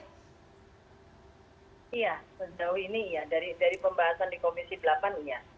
iya sejauh ini ya dari pembahasan di komisi delapan iya